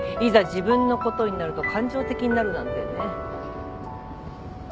自分のことになると感情的になるなんてね。